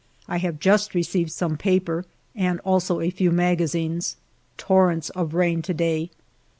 I have just received some paper and also a few magazines. Torrents of rain to day.